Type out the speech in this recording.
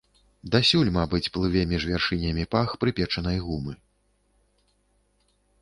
Дасюль, мабыць, плыве між вяршынямі пах прыпечанай гумы.